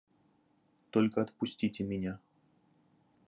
– Только отпустите меня.